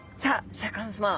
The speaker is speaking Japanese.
シャーク香音さま